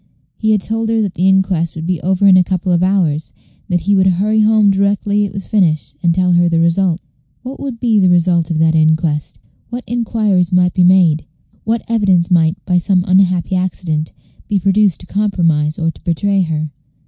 He had told her that the inquest would be over in a couple of hours, and that he would hurry home directly it was finished and tell her the result. What would be the result of that inquest? What inquiries might be made? what evidence might, by some unhappy accident, be produced to compromise or to betray her?